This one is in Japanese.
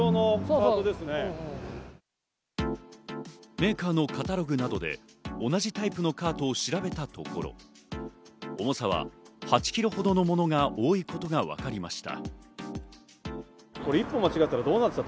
メーカーのカタログなどで同じタイプのカートを調べたところ、重さは８ｋｇほどのものが多いことがわかりました。